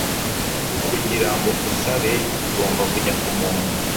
Kugirango usabe, ugomba kujya kumuntu